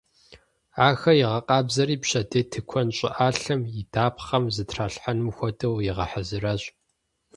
Ахэр игъэкъабзэри, пщэдей тыкуэн щӀыӀалъэм и дапхъэм зэрытралъхьэнум хуэдэу игъэхьэзыращ.